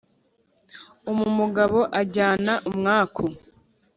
umumugabo ajyana umwaku